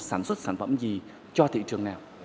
sản xuất sản phẩm gì cho thị trường nào